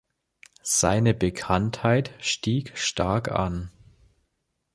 Seine Bekanntheit stieg stark an.